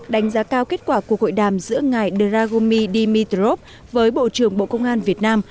đánh giá cao kết quả cuộc hội đàm giữa ngày dragomi dimitrov với bộ trưởng bộ công an việt nam